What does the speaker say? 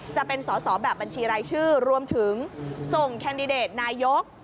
จะเป็นสอสอแบบบัญชีรายชื่อรวมถึงส่งแคนดิเดตนายก